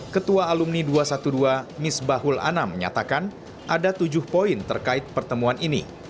ketua alumni dua ratus dua belas misbahul anam menyatakan ada tujuh poin terkait pertemuan ini